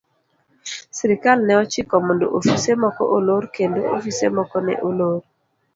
Sirkal ne ochiko mondo ofise moko olor kendo ofise moko ne olor.